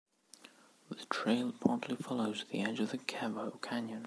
The trail partly follows the edge of the Kevo canyon.